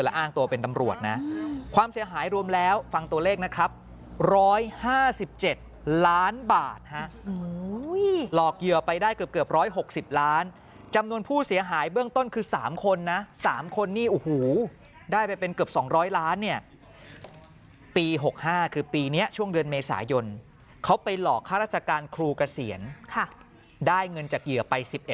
และอ้างตัวเป็นตำรวจนะความเสียหายรวมแล้วฟังตัวเลขนะครับ